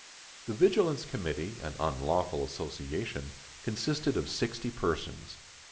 The vigilance committee (an unlawful association) consisted of sixty persons.